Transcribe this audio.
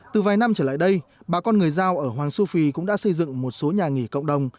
từ vài năm trở lại đây bà con người giao ở hoàng su phi cũng đã xây dựng một số nhà nghỉ cộng đồng